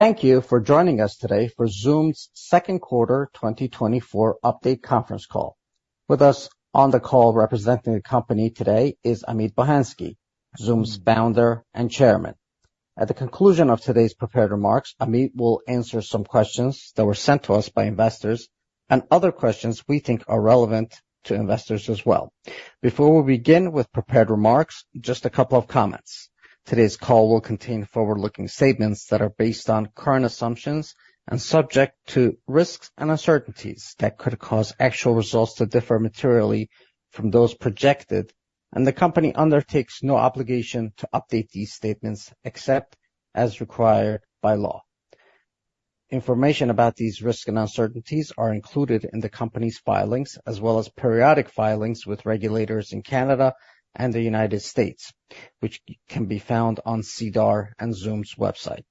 ...Thank you for joining us today for Zoomd's second quarter 2024 update conference call. With us on the call, representing the company today, is Amit Bohensky, Zoomd's Founder and Chairman. At the conclusion of today's prepared remarks, Amit will answer some questions that were sent to us by investors and other questions we think are relevant to investors as well. Before we begin with prepared remarks, just a couple of comments. Today's call will contain forward-looking statements that are based on current assumptions and subject to risks and uncertainties that could cause actual results to differ materially from those projected, and the company undertakes no obligation to update these statements except as required by law. Information about these risks and uncertainties are included in the company's filings, as well as periodic filings with regulators in Canada and the United States, which can be found on SEDAR and Zoomd's website.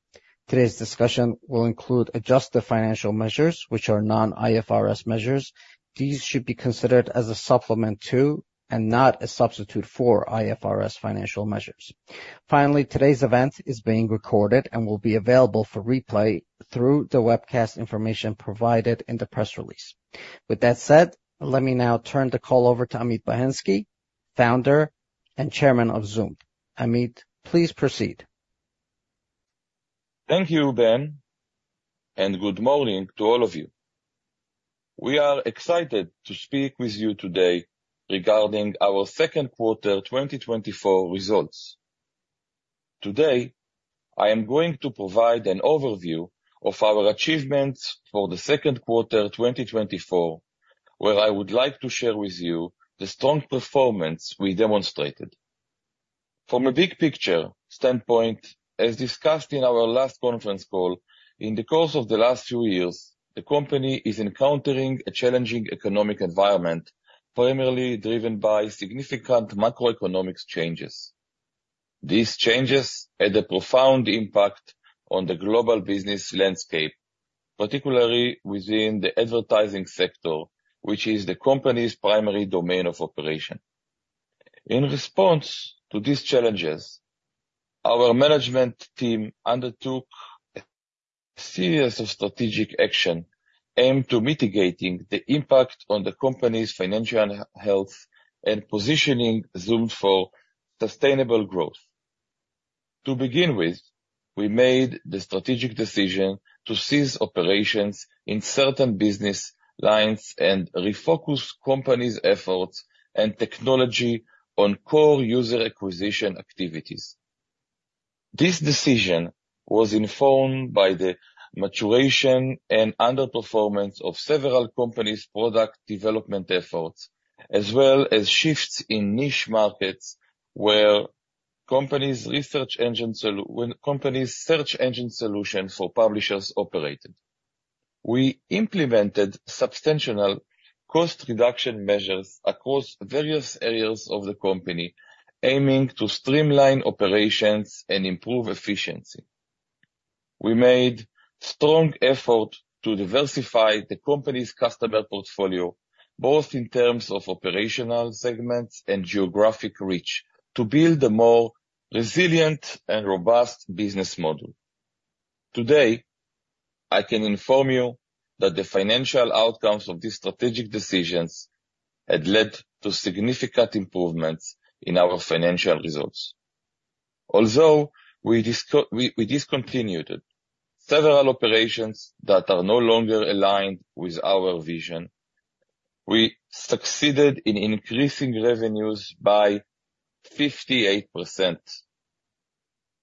Today's discussion will include adjusted financial measures, which are non-IFRS measures. These should be considered as a supplement to, and not a substitute for, IFRS financial measures. Finally, today's event is being recorded and will be available for replay through the webcast information provided in the press release. With that said, let me now turn the call over to Amit Bohensky, Founder and Chairman of Zoomd. Amit, please proceed. Thank you, Ben, and good morning to all of you. We are excited to speak with you today regarding our second quarter 2024 results. Today, I am going to provide an overview of our achievements for the second quarter, 2024, where I would like to share with you the strong performance we demonstrated. From a big picture standpoint, as discussed in our last conference call, in the course of the last few years, the company is encountering a challenging economic environment, primarily driven by significant macroeconomics changes. These changes had a profound impact on the global business landscape, particularly within the advertising sector, which is the company's primary domain of operation. In response to these challenges, our management team undertook a series of strategic action aimed to mitigating the impact on the company's financial health and positioning Zoomd for sustainable growth. To begin with, we made the strategic decision to cease operations in certain business lines and refocus the company's efforts and technology on core user acquisition activities. This decision was informed by the maturation and underperformance of several companies' product development efforts, as well as shifts in niche markets where companies' search engine solutions for publishers operated. We implemented substantial cost reduction measures across various areas of the company, aiming to streamline operations and improve efficiency. We made a strong effort to diversify the company's customer portfolio, both in terms of operational segments and geographic reach, to build a more resilient and robust business model. Today, I can inform you that the financial outcomes of these strategic decisions had led to significant improvements in our financial results. Although we disco... We discontinued several operations that are no longer aligned with our vision. We succeeded in increasing revenues by 58%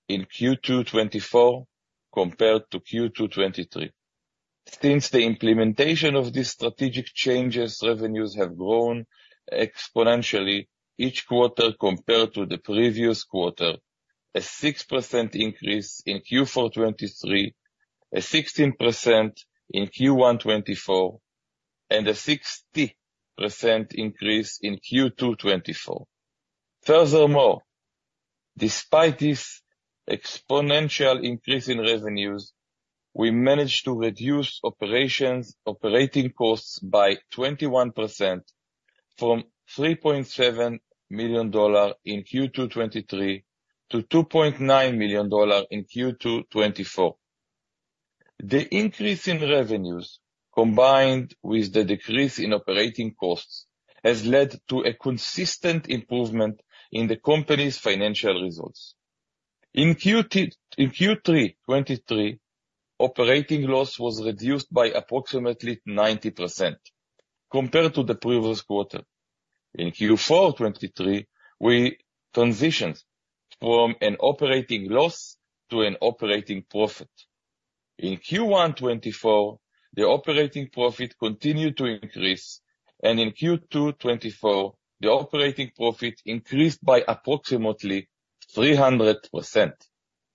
in Q2 2024 compared to Q2 2023. Since the implementation of these strategic changes, revenues have grown exponentially each quarter compared to the previous quarter, a 6% increase in Q4 2023, a 16% in Q1 2024, and a 60% increase in Q2 2024. Furthermore, despite this exponential increase in revenues, we managed to reduce operating costs by 21% from $3.7 million in Q2 2023 to $2.9 million in Q2 2024. The increase in revenues, combined with the decrease in operating costs, has led to a consistent improvement in the company's financial results. In Q3 2023, operating loss was reduced by approximately 90% compared to the previous quarter. In Q4 2023, we transitioned from an operating loss to an operating profit. In Q1 2024, the operating profit continued to increase, and in Q2 2024, the operating profit increased by approximately 300%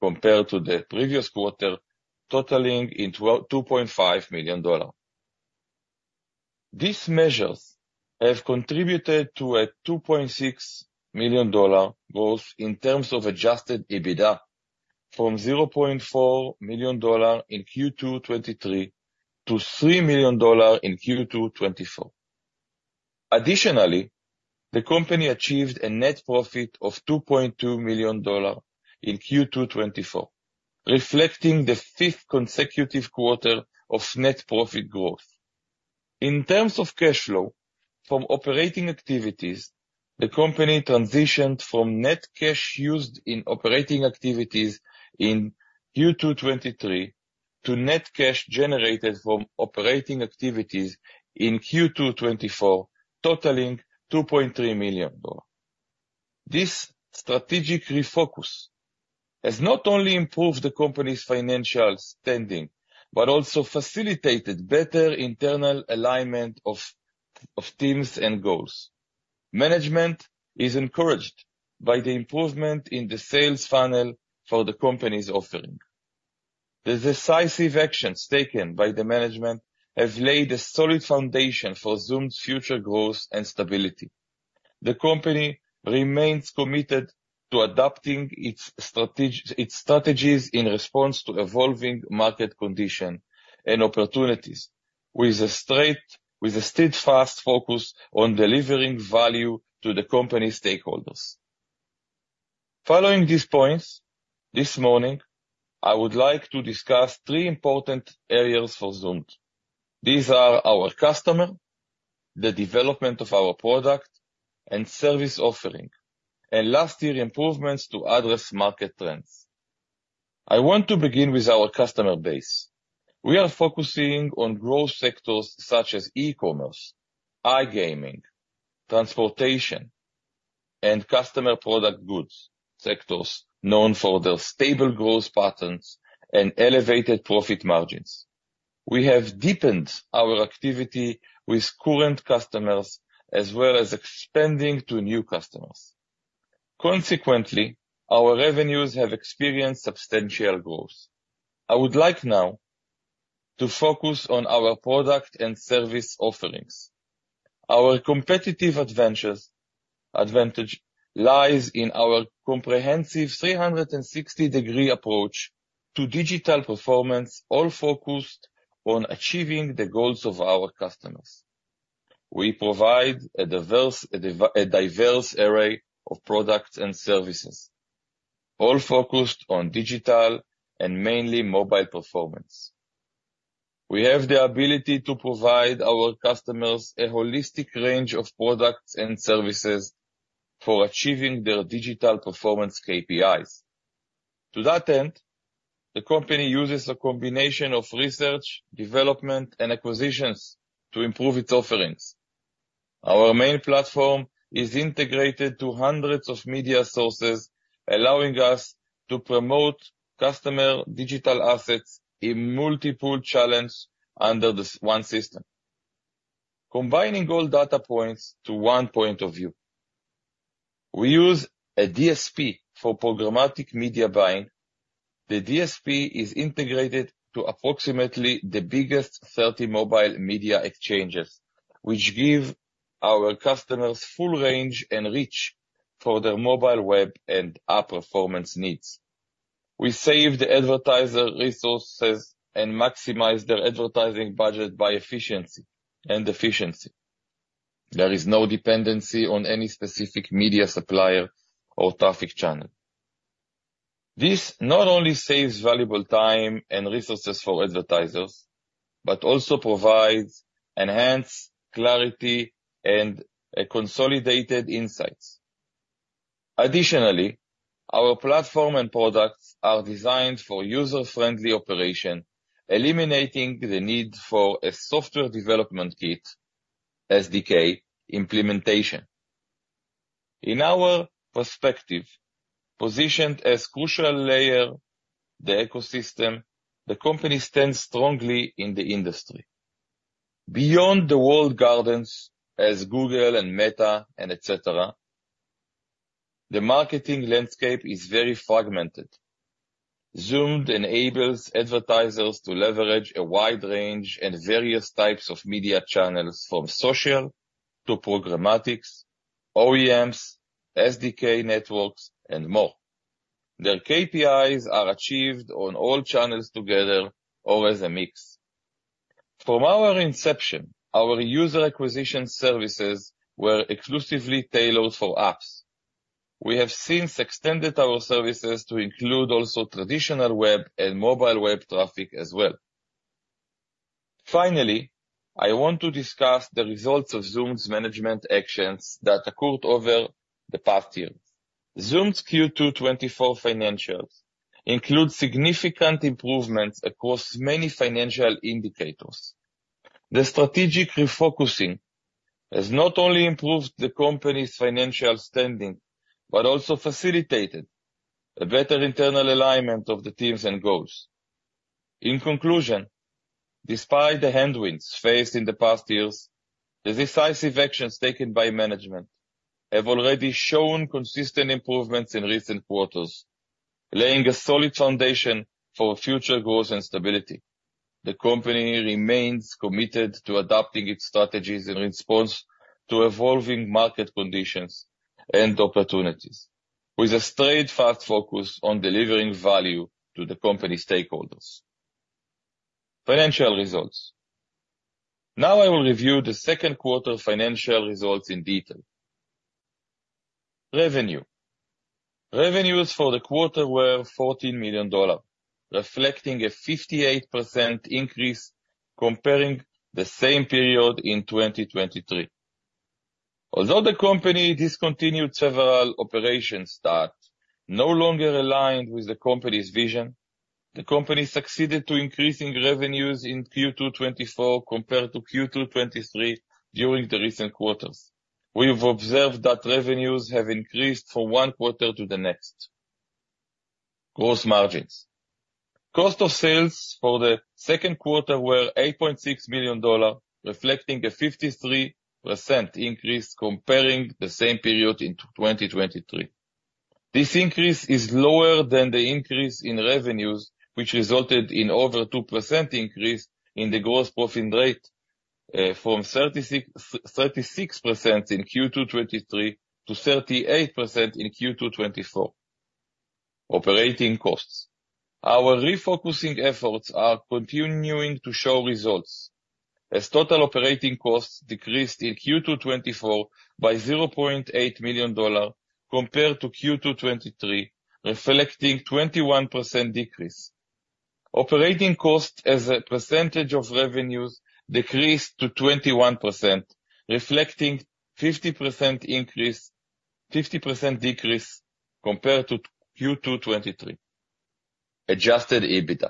compared to the previous quarter, totaling $2.5 million. These measures have contributed to a $2.6 million growth in terms of Adjusted EBITDA, from $0.4 million in Q2 2023 to $3 million in Q2 2024. Additionally, the company achieved a net profit of $2.2 million in Q2 2024, reflecting the fifth consecutive quarter of net profit growth. In terms of cash flow from operating activities, the company transitioned from net cash used in operating activities in Q2 2023, to net cash generated from operating activities in Q2 2024, totaling $2.3 million. This strategic refocus has not only improved the company's financial standing, but also facilitated better internal alignment of teams and goals. Management is encouraged by the improvement in the sales funnel for the company's offering. The decisive actions taken by the management have laid a solid foundation for Zoomd's future growth and stability. The company remains committed to adapting its strategies in response to evolving market condition and opportunities, with a steadfast focus on delivering value to the company stakeholders. Following these points, this morning, I would like to discuss three important areas for Zoomd. These are our customers, the development of our product and service offering, and lastly, improvements to address market trends. I want to begin with our customer base. We are focusing on growth sectors such as e-commerce, iGaming, transportation, and consumer packaged goods, sectors known for their stable growth patterns and elevated profit margins. We have deepened our activity with current customers, as well as expanding to new customers. Consequently, our revenues have experienced substantial growth. I would like now to focus on our product and service offerings. Our competitive advantage lies in our comprehensive 360° approach to digital performance, all focused on achieving the goals of our customers. We provide a diverse array of products and services, all focused on digital and mainly mobile performance. We have the ability to provide our customers a holistic range of products and services for achieving their digital performance KPIs. To that end, the company uses a combination of research, development, and acquisitions to improve its offerings. Our main platform is integrated to 100s of media sources, allowing us to promote customer digital assets in multiple channels under this one system. Combining all data points to one point of view, we use a DSP for programmatic media buying. The DSP is integrated to approximately the biggest 30 mobile media exchanges, which give our customers full range and reach for their mobile web and app performance needs. We save the advertiser resources and maximize their advertising budget by efficiency. There is no dependency on any specific media supplier or traffic channel. This not only saves valuable time and resources for advertisers, but also provides enhanced clarity and consolidated insights. Additionally, our platform and products are designed for user-friendly operation, eliminating the need for a software development kit SDK implementation. In our perspective, positioned as crucial layer in the ecosystem, the company stands strongly in the industry. Beyond the walled gardens as Google and Meta and et cetera, the marketing landscape is very fragmented. Zoomd enables advertisers to leverage a wide range and various types of media channels, from social to programmatic, OEMs, SDK networks, and more. Their KPIs are achieved on all channels together or as a mix. From our inception, our user acquisition services were exclusively tailored for apps. We have since extended our services to include also traditional web and mobile web traffic as well. Finally, I want to discuss the results of Zoomd's management actions that occurred over the past years. Zoomd's Q2 2024 financials include significant improvements across many financial indicators. The strategic refocusing has not only improved the company's financial standing, but also facilitated a better internal alignment of the teams and goals. In conclusion, despite the headwinds faced in the past years, the decisive actions taken by management have already shown consistent improvements in recent quarters, laying a solid foundation for future growth and stability. The company remains committed to adapting its strategies in response to evolving market conditions and opportunities, with a steadfast focus on delivering value to the company stakeholders. Financial results. Now I will review the second quarter financial results in detail. Revenue. Revenues for the quarter were $14 million, reflecting a 58% increase comparing the same period in 2023. Although the company discontinued several operations that no longer aligned with the company's vision, the company succeeded to increasing revenues in Q2 2024 compared to Q2 2023 during the recent quarters. We've observed that revenues have increased from one quarter to the next. Gross margins. Cost of sales for the second quarter were $8.6 million, reflecting a 53% increase comparing the same period in 2023. This increase is lower than the increase in revenues, which resulted in over 2% increase in the gross profit rate, from 36% in Q2 2023 to 38% in Q2 2024. Operating costs. Our refocusing efforts are continuing to show results, as total operating costs decreased in Q2 2024 by $0.8 million compared to Q2 2023, reflecting 21% decrease. Operating costs as a percentage of revenues decreased to 21%, reflecting 50% decrease compared to Q2 2023. Adjusted EBITDA.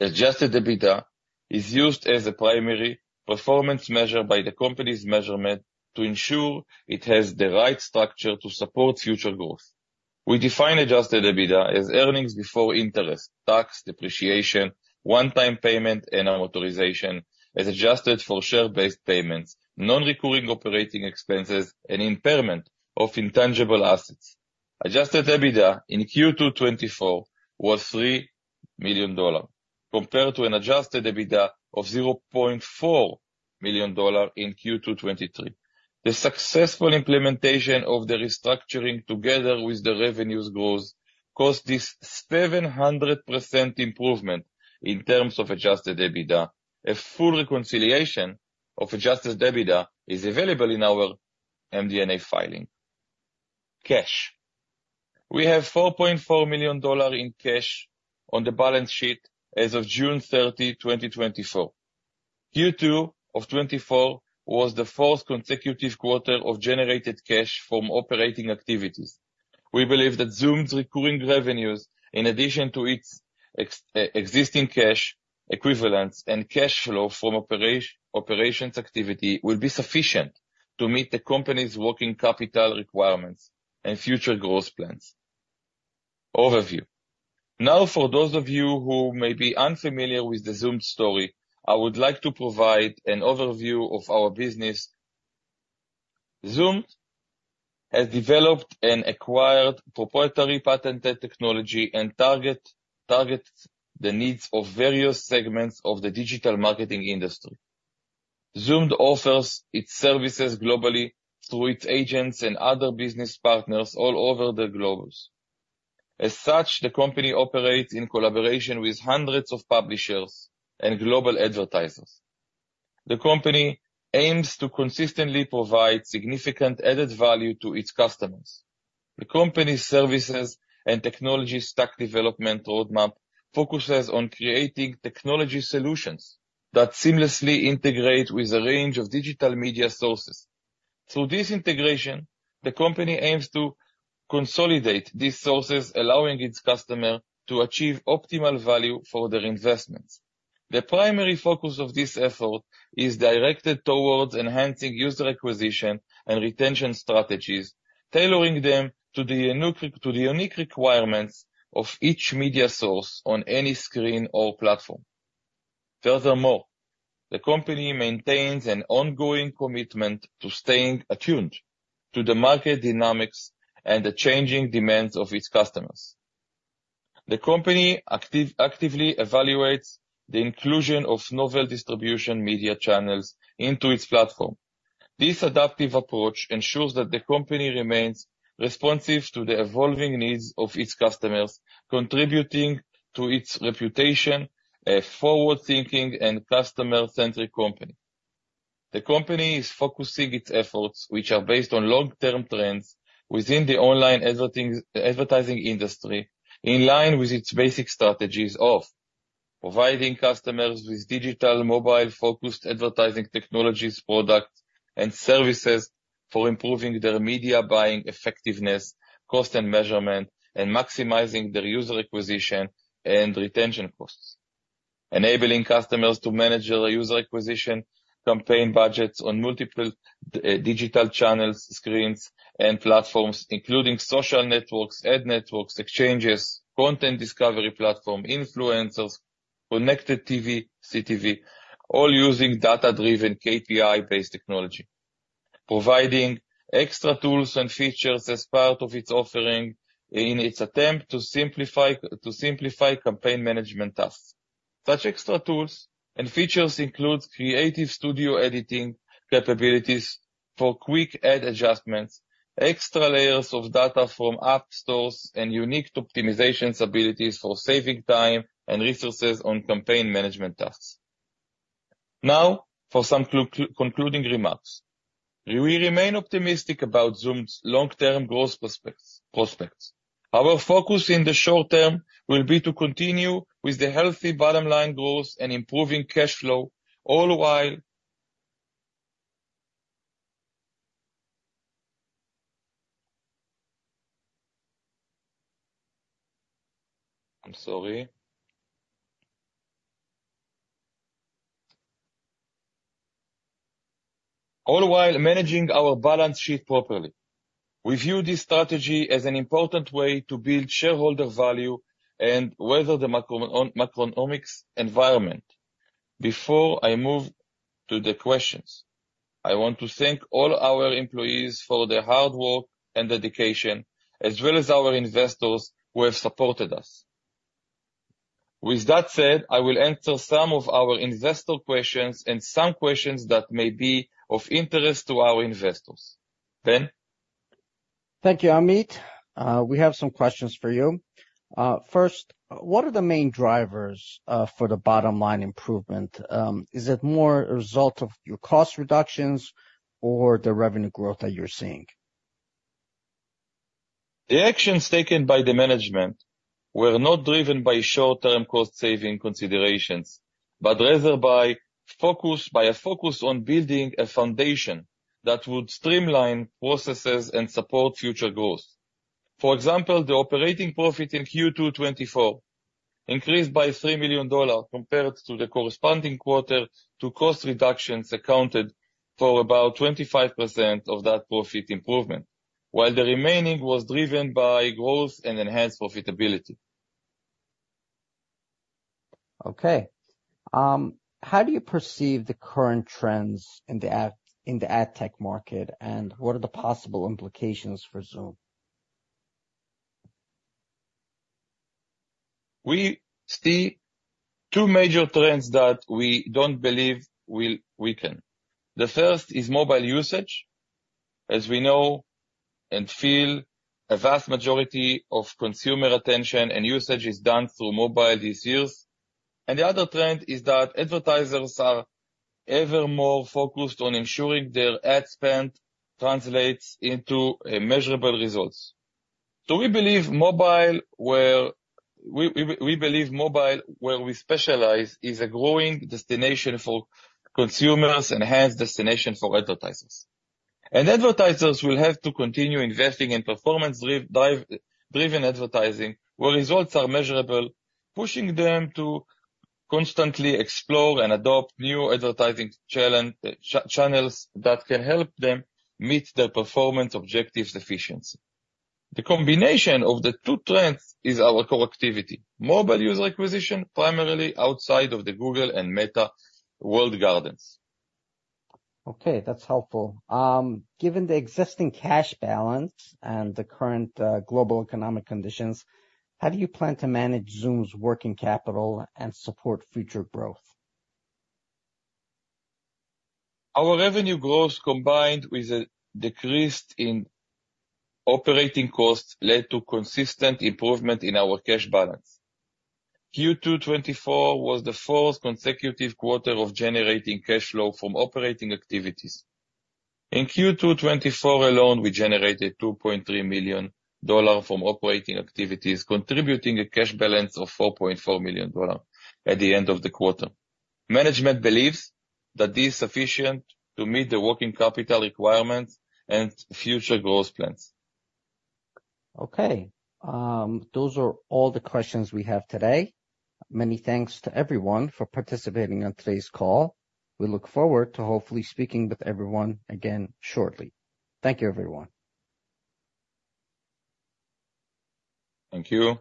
Adjusted EBITDA is used as a primary performance measure by the company's management to ensure it has the right structure to support future growth. We define Adjusted EBITDA as earnings before interest, tax, depreciation, one-time payment, and amortization, as adjusted for share-based payments, non-recurring operating expenses, and impairment of intangible assets. Adjusted EBITDA in Q2 2024 was $3 million, compared to an Adjusted EBITDA of $0.4 million in Q2 2023. The successful implementation of the restructuring, together with the revenues growth, caused this 700% improvement in terms of Adjusted EBITDA. A full reconciliation of Adjusted EBITDA is available in our MD&A filing. Cash. We have $4.4 million in cash on the balance sheet as of June 30, 2024. Q2 of 2024 was the fourth consecutive quarter of generated cash from operating activities. We believe that Zoomd's recurring revenues, in addition to its existing cash equivalents and cash flow from operations activity, will be sufficient to meet the company's working capital requirements and future growth plans. Overview. Now, for those of you who may be unfamiliar with the Zoomd story, I would like to provide an overview of our business. Zoomd has developed and acquired proprietary patented technology and targets the needs of various segments of the digital marketing industry. Zoomd offers its services globally through its agents and other business partners all over the globe. As such, the company operates in collaboration with hundreds of publishers and global advertisers. The company aims to consistently provide significant added value to its customers. The company's services and technology stack development roadmap focuses on creating technology solutions that seamlessly integrate with a range of digital media sources. Through this integration, the company aims to consolidate these sources, allowing its customer to achieve optimal value for their investments. The primary focus of this effort is directed towards enhancing user acquisition and retention strategies, tailoring them to the unique requirements of each media source on any screen or platform. Furthermore, the company maintains an ongoing commitment to staying attuned to the market dynamics and the changing demands of its customers. The company actively evaluates the inclusion of novel distribution media channels into its platform. This adaptive approach ensures that the company remains responsive to the evolving needs of its customers, contributing to its reputation as a forward-thinking and customer-centric company. The company is focusing its efforts, which are based on long-term trends within the online advertising industry, in line with its basic strategies of: providing customers with digital, mobile-focused advertising technologies, products, and services for improving their media buying effectiveness, cost and measurement, and maximizing their user acquisition and retention costs. Enabling customers to manage their user acquisition, campaign budgets on multiple digital channels, screens, and platforms, including social networks, ad networks, exchanges, content discovery platform, influencers, connected TV, CTV, all using data-driven, KPI-based technology. Providing extra tools and features as part of its offering in its attempt to simplify campaign management tasks. Such extra tools and features include Creative Studio editing capabilities for quick ad adjustments, extra layers of data from app stores, and unique optimization abilities for saving time and resources on campaign management tasks. Now, for some concluding remarks. We remain optimistic about Zoomd's long-term growth prospects. Our focus in the short term will be to continue with the healthy bottom line growth and improving cash flow, all while managing our balance sheet properly. We view this strategy as an important way to build shareholder value and weather the macroeconomics environment. Before I move to the questions, I want to thank all our employees for their hard work and dedication, as well as our investors who have supported us. With that said, I will answer some of our investor questions and some questions that may be of interest to our investors. Ben? Thank you, Amit. We have some questions for you. First, what are the main drivers for the bottom line improvement? Is it more a result of your cost reductions or the revenue growth that you're seeing? The actions taken by the management were not driven by short-term cost-saving considerations, but rather by focus, by a focus on building a foundation that would streamline processes and support future growth. For example, the operating profit in Q2 2024 increased by $3 million compared to the corresponding quarter. The cost reductions accounted for about 25% of that profit improvement, while the remaining was driven by growth and enhanced profitability. Okay. How do you perceive the current trends in the ad tech market, and what are the possible implications for Zoomd? We see two major trends that we don't believe will weaken. The first is mobile usage. As we know and feel, a vast majority of consumer attention and usage is done through mobile these days. And the other trend is that advertisers are ever more focused on ensuring their ad spend translates into measurable results. So we believe mobile, where we specialize, is a growing destination for consumers and enhanced destination for advertisers. And advertisers will have to continue investing in performance-driven advertising, where results are measurable, pushing them to constantly explore and adopt new advertising channels that can help them meet their performance objectives efficiency. The combination of the two trends is our core activity. Mobile user acquisition, primarily outside of the Google and Meta walled gardens. Okay, that's helpful. Given the existing cash balance and the current global economic conditions, how do you plan to manage Zoomd's working capital and support future growth? Our revenue growth, combined with a decrease in operating costs, led to consistent improvement in our cash balance. Q2 2024 was the fourth consecutive quarter of generating cash flow from operating activities. In Q2 2024 alone, we generated $2.3 million from operating activities, contributing a cash balance of $4.4 million at the end of the quarter. Management believes that this is sufficient to meet the working capital requirements and future growth plans. Okay, those are all the questions we have today. Many thanks to everyone for participating on today's call. We look forward to hopefully speaking with everyone again shortly. Thank you, everyone. Thank you.